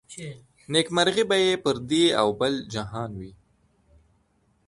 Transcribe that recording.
نيکمرغي به يې پر دې او بل جهان وي